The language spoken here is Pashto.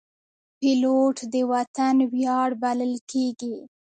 پیلوټ د وطن ویاړ بلل کېږي.